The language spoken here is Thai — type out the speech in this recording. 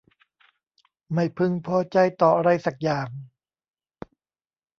ไม่พึงพอใจต่ออะไรสักอย่าง